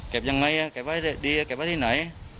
เก็บยังไงอ่ะเก็บไว้ดีอ่ะเก็บไว้ที่ไหน